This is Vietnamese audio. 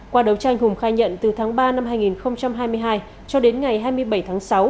qua đấu tranh hùng khai nhận từ tháng ba năm hai nghìn hai mươi hai cho đến ngày hai mươi bảy tháng sáu